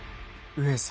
上様！